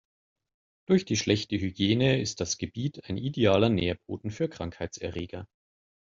Durch die schlechte Hygiene ist das Gebiet ein idealer Nährboden für Krankheitserreger.